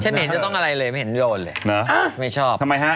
ฉันเห็นเจ้าต้องอะไรเลยไม่เห็นโดนฮะไม่ชอบทำไมฮะ